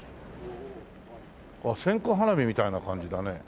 あっ線香花火みたいな感じだね。